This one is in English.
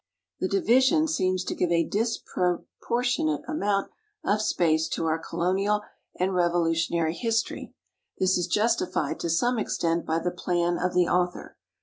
The division seems to give a disproportionate amount of space to our Colonial and Revolutionary history. This is justified to some extent by the plan of the author.